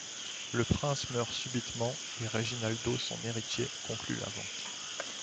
Le prince meurt subitement et Reginaldo, son héritier, conclut la vente.